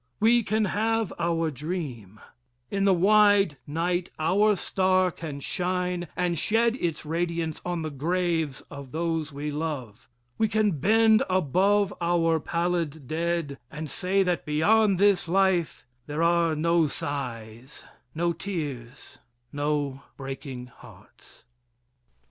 We can have our dream. In the wide night our star can shine and shed its radiance on the graves of those we love. We can bend above our pallid dead and say that beyond this life there are no sighs no tears no breaking hearts.